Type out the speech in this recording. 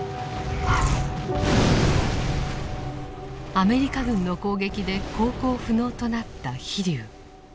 アメリカ軍の攻撃で航行不能となった「飛龍」。